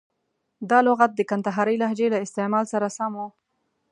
دا لغت د کندهارۍ لهجې له استعمال سره سم و.